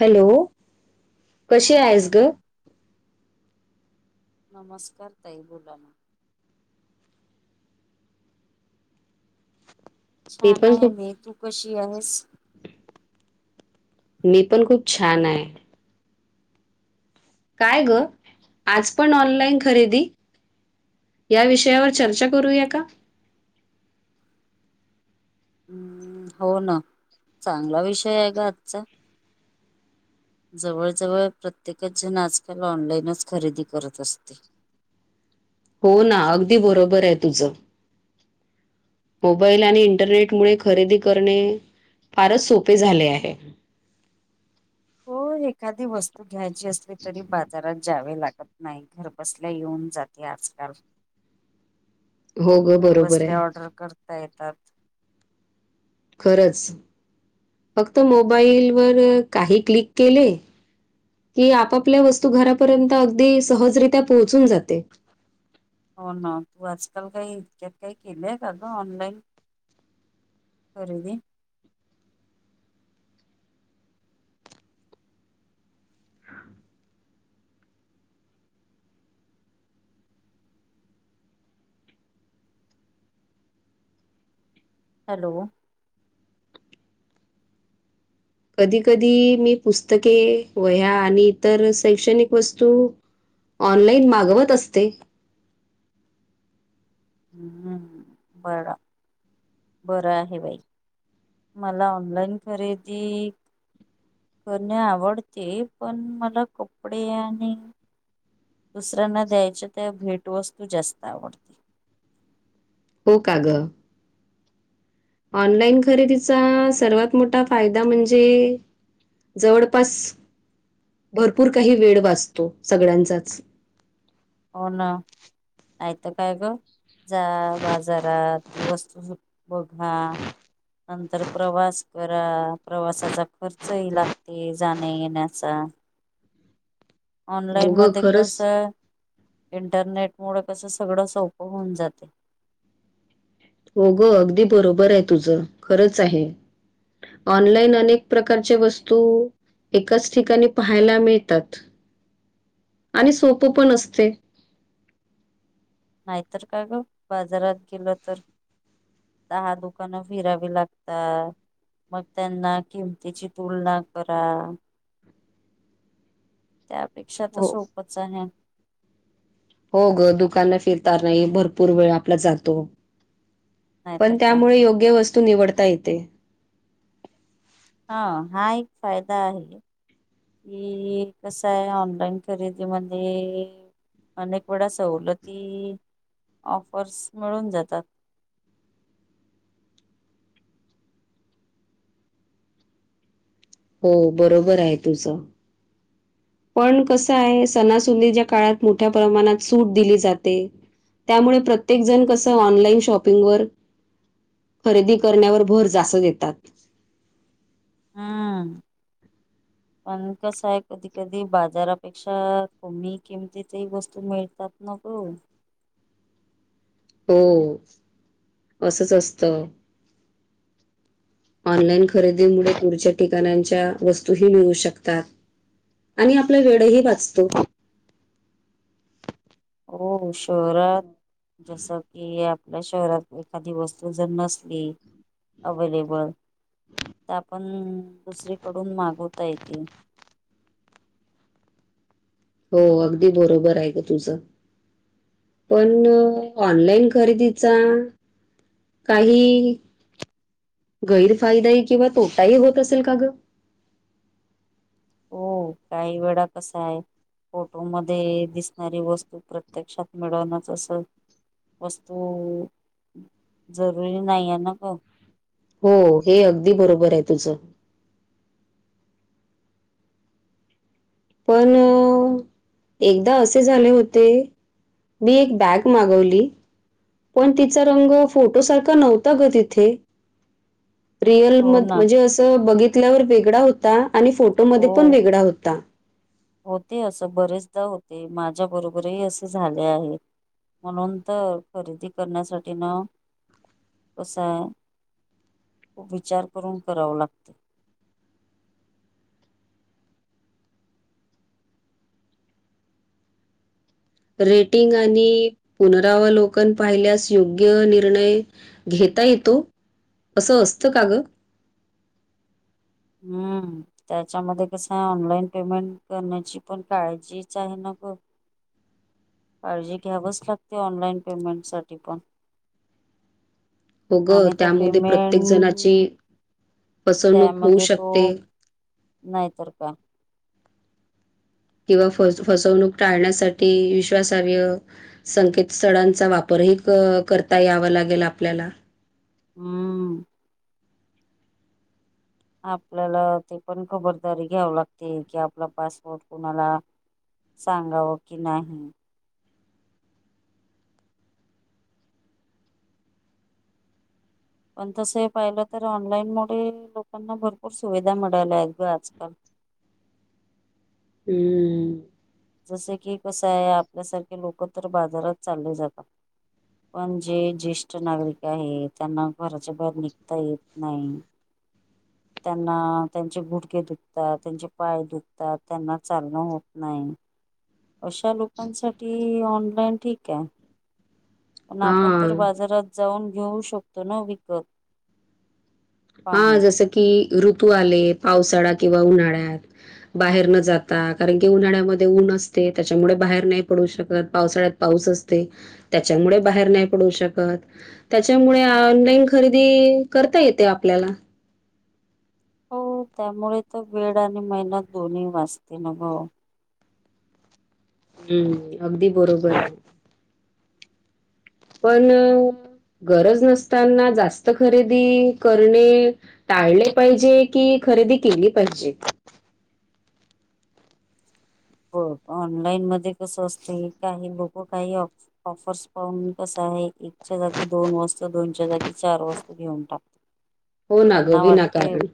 Hello, हा कशी बोला आहेस ना ग. नमस्कार ताई बोला ना. मी छान पण आहे खूप मी तू कशी आहेस. मी पण खूप छान आहे. काय ग आज पण ऑनलाईन खरेदी. या विषयावर चर्चा करूया का. हम् हो ना चांगला विषय आहे ग आजचा. जवळजवळ प्रत्येकच जण आजकाल ऑनलाईनच खरेदी करत असते. हो ना अगदी बरोबर आहे तुझं. मोबाईल आणि इंटरनेट मुळे खरेदी करणे फारच सोपे झाले आहे. हो एखादी वस्तू घ्यायची असली तरी बाजारात जावे लागत. नाही घर बसल्या येऊन जाते आजकाल हो ग, घर बरोबर बसल्या आहे. ऑर्डर करता येतात खरंच फक्त मोबाईलवरर काही क्लिक केले की आपापल्या वस्तू घरापर्यंत अगदी सहजरित्या पोहोचून जाते हो ना तू आजकाल काही इतक्यात काही केलंय का ग ऑनलाईन कररीी हॅलो कधी कधी मी पुस्तके व ह्या आणि इतर शैक्षणिक वस्तू. ऑनलाइन मागवत असते. हम् बरं. बरं आहे बाई मला ऑनलाईन खरेदी. करणे आवडते पण मला कपडे आणि. दुसऱ्यांना द्यायच्या त्या भेटवस्तू जास्त आवडतील. हो काग. ऑनलाईन खरेदीचा सर्वात मोठा फायदा म्हणजे. जवळपास भरपूर काही वेळ वाचतो सगळ्यांचाच. हो ना यत काय ग. जा बाजारात त वस्तू बघा. नंतर प्रवास करा प्रवासाचा खर्चही लागते जाण्या येण्यास. अचछ. म ऑनलाईन मध्ये कसं. इंटरनेट मुळ कसं सगळं सोपं होऊन जाते हो गं अगदी बरोबर आहे तुझं खरंच आहे ऑनलाईन अनेक प्रकारचे वस्तू एकाच ठिकाणी पाहायला मिळतात आणि सोप पण असते नाहीतर का ग बाजारात गेलं तर दहा दुकानं फिरावी लागतात मग त्यांना किमतीची तुलना करा त्यापेक्षा तर हो, सोपच आहे हो ग दुकानला फिरत नाही भरपूर वेळ आपला जातो पण नाहीतर काय त्यामुळे योग्य वस्तू निवडता येते हा हा एक फायदा आहे कि कस आहे ऑनलाइन खरेदी मध्ये अनेक वेळा सवलती ऑफर्स मिळून जातात हो बरोबर आहे तुझं पण कसं आहे सणासुंदीच्या काळात मोठ्या प्रमाणात सूट दिली जाते त्यामुळे प्रत्येक जण कसं ऑनलाईन शॉपिंगवर खरेदी करण्यावर भर जास्त देतात हा ह पण कसं आहे कधी कधी बाजारापेक्षा कमी किमतीतही वस्तू मिळतात नकू हो असंच असत ऑनलाईन खरेदीमुळे पुढच्या ठिकाणच्या वस्तूही मिळू शकतात आणि आपला वेळही वाचतो हो शहरात जस की आपल्या शहरात एखादी वस्तू जर नसली अवलेबल त्या पण दुसरीकडून मागवता येतील हो अगदी बरोबर आहे ग तुझं. पण ऑनलाइन खरेदीचा काही गैरफायदाही किंवा तोटाही होत असेल का ग? हो काही वेळा कसा आहे. फोटोमध्ये दिसणारी वस्तू प्रत्यक्षात मिळवणच असं वस्तू जरुरी नाही आहे ना पण हो हे अगदी बरोबर आहे तुझं. पण एकदा असे झाले होते मी एक बॅग मागवली. पण तिचा रंग फोटो सारखा नव्हता ग तिथे. रिअल म हो ना म्हणजे असं बघितल्यावर वेगळा होता आणि फोटोमध्ये हो पण वेगळा होता. होते असं बरेचदा होते माझ्या बरोबरही असे झाले आहे. म्हणून तर खरेदी करण्यासाठी ना कस खूप विचार करून कराव लागत. रेटिंग आणि पुनरावलोकन पाहिल्यास योग्य निर्णय घेता येतो असं असतं का ग. हम्म. त्याच्यामध्ये कसं आहे ऑनलाईन पेमेंट करण्याची पण काळजीच आहे न ग. काळजी घ्यावच लागते ऑनलाइन पेमेंट साठी पण हो गं, आणि तो त्यामध्ये प्रत्येक जणाची पेमेंट फसवणूक होऊ त्यामध्ये तो शकते. नाहीतर काय. किंवा फ फसवणूक टाळण्यासाठी विश्वासार्ह संकेतस्थळांचा वापरही करता यावा लागेल आपल्याला हम्म. आपल्याला ते पण खबरदारी घ्याव लागते की आपला पासवोर्ट कुणाला सांगावा की नाही. पण तसं पाहिलं तर ऑनलाईन मुळे लोकांना भरपूर सुविधा मिळाल्या आहेत ग आजकाल. हम्म हम् जस की कसं आहे आपल्यासारखे लोक तर बाजारात चालले जातात. पण जे ज्येष्ठ नागरिक आहे. त्यांना घराच्या बाहेर निघता येत नाही. [inaudible] त्यांना त्यांचे गुडघे दुखतात त्यांचे पाय दुखतात त्यांना चालणं होत नाही. अशा लोकांसाठी ऑनलाईन ठीक आहे. पण आपण तर हां. बाजारात जाऊन घेऊ शकतो ना विकत. हा पाहून. जस की ऋतू आले पावसाळा किंवा उन्हाळ्यात. बाहेर न जाता कारण की उन्हाळ्यामध्ये ऊन असते त्याच्यामुळे बाहेर नाही पडू शकत पावसाळ्यात पाऊस असते त्याच्यामुळे बाहेर नाही पडू शकत. त्याच्यामुळे ऑनलाईन खरेदी करता येते आपल्याला. हो त्यामुळे तर वेळ आणि मेहनत दोन्ही वाचते ना ग. हम्म. अगदी बरोबर आहे. पण गरज नसताना जास्त खरेदी करणे टाळले पाहिजे कि खरेदी केली पाहिजे. बघ ऑनलाईन मध्ये कस असत काही लोक काही ऑ ऑफर्स पाहून कस आहे एकच्या जागी दोन वस्तू दोनच्या जागी चार वस्तू घेऊन टाक. हो ना ग त्यांना वाटते विनाकारण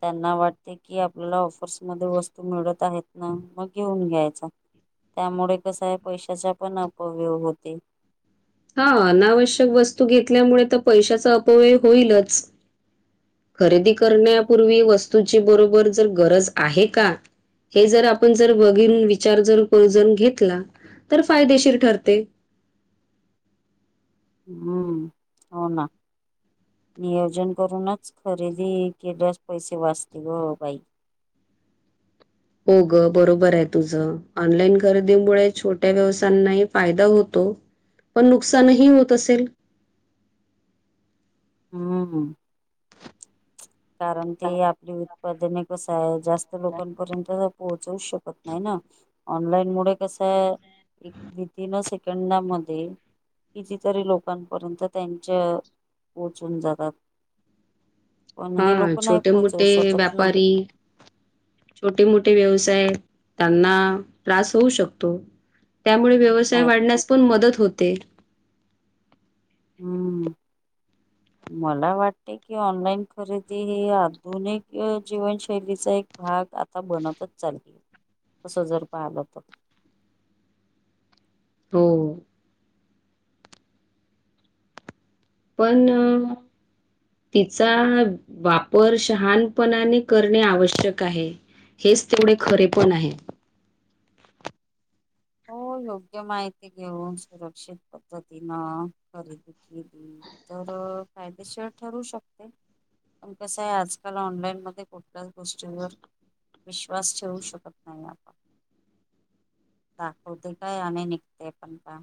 त्यांना वाटते की आपल्याला ऑफर्समध्ये वस्तू मिळत आहेत. ना मग घेऊन घ्यायचा त्यामुळे कस आहे पैशाचा पण अपव्यव होते. हा अनावश्यक वस्तू घेतल्यामुळे तर पैशाचा अपव्यय होईलच. खरेदी करण्यापूर्वी वस्तूची बरोबर जर गरज आहे का? हे जर आपण जर बघीन विचार जर करून घेतला तर फायदेशीर ठरते. हम्म होना. नियोजन करूनच खरेदी केल्यास पैसे वाचतील ग बाई. हो ग बरोबर आहे तुझं ऑनलाईन खरेदीमुळे छोट्या व्यवसायांनाही फायदा होतो. पण नुकसानही होत असेल. हम कारण ते आपली उत्पादने कस आहे जास्त लोकांपर्यंत पोहोचवू शकत नाही ना ऑनलाईन मु कस एक विथन सेकंडामध्ये कितीतरी लोकांपर्यंत त्यांच्या पोहचून जातात. पण हा हे लोक नाही छोटे पोहोचवू मोठे शकत ना व्यापारी छोटे मोठे व्यवसाय त्यांना त्रास होऊ शकतो. त्यामुळे व्यवसाय नाहीत वाढण्यास पण मदत होते. हम्म ह [inaudible] मला वाटते की ऑनलाईन खरेदी हे आधुनिक जीवनशैलीचा एक भाग आता बनतच चालली असं जर पाहिलं तर. हो पण तिचा वापर शहानपणाने करणे आवश्यक आहे हेच तेवढे खरे पण आहे हो योग्य माहिती घेऊन सुरक्षित पद्धतीनं खरेदी केली तर काायदेशीर ठरू शकते प कस आहे आजकाल ऑनलाईन मध्ये कुठल्याच गोष्टीवर विश्वास ठेवू शकत नाही आपण दाखवते काय आणि निघते आपण का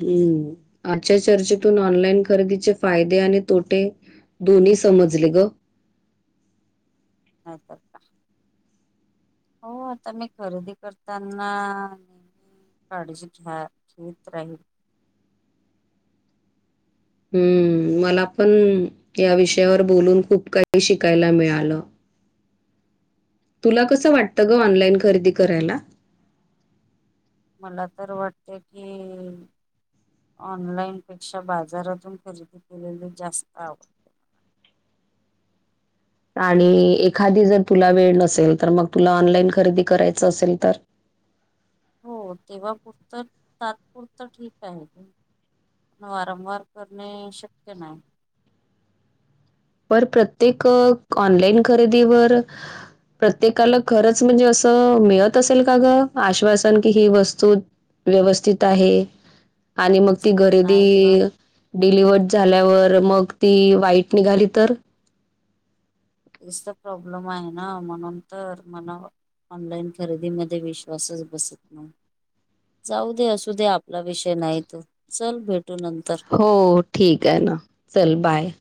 हम्म आजच्या चर्चेतून ऑनलाईन खरेदीचे फायदे आणि तोटे दोन्ही समजले ग नाही सता हो आता मी खरेदी करताना काडीची घ्या खत राही हम्म मला पण या विषयावर बोलून खूप काही शिकायला मिळालं तुला कसं वाटतं ग ऑनलाईन खरेदी करायला मला तर वाटते कि ऑनलाईनपेक्षा बाजारातून खरेदी केलेली जास्त आवडते आणि एखादी जर तुला वेळ नसेल तर मग तुला ऑनलाईन खरेदी करायचं असेल तर हो तेव्हा पुरतं तात्पुरत ठीक आहे वारंवार करणे शक्य नाही पर प्रत्येक ऑनलाईन खरेदीवर प्रत्येकाला खरंच म्हणजे असं मिळत असेल का ग आश्वासन की ही वस्तू व्यवस्थित आहे आणि मग ती खरेदी नाही ग डिलिव्हर्ड झाल्यावर मग ती वाईट निघाली तर तेस प्रॉब्लेम आहेना मनंत मन ऑनलाईन खरेदीमध्ये विश्वासच बसत नाही जाऊ दे असू दे आपला विषय नाही तो चल भेटू नंतर हो ठीक आहे ना चल बाय